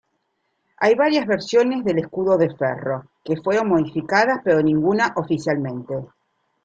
Hay varias versiones del escudo de Ferro, que fueron modificadas pero ninguna oficialmente.